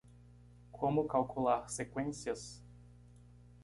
Como calcular seqüências?